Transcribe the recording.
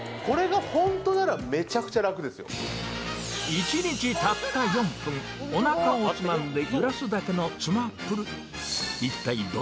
１日たった４分おなかをつまんで揺らすだけのつまぷる